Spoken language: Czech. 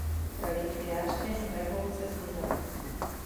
Relikviář během revoluce zmizel.